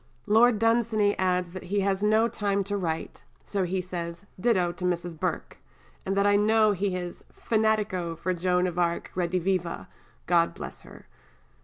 Lord Dunsany adds that he has no time to write, so he says, "ditto to Mrs. Burke," and that I know he is "fanatico for Joan of Arc rediviva, God bless her."